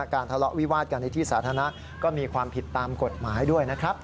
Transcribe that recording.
ทะเลาะวิวาดกันในที่สาธารณะก็มีความผิดตามกฎหมายด้วยนะครับ